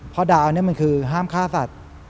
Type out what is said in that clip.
เพราะดาวนี่มันคือห้ามฆ่าสัตว์